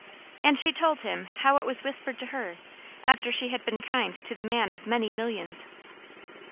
And she told him how it was whispered to her, after she had been kind to the man of many millions.